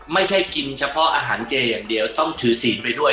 ไม่ใช่กินเฉพาะอาหารเจอย่างเดียวต้องถือศีลไปด้วย